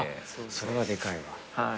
それはでかいわ。